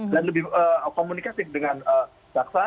dan lebih komunikatif dengan jaksa